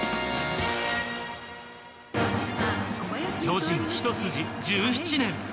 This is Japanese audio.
巨人ひと筋１７年。